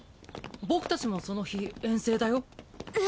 僕達もその日遠征だよ。え！？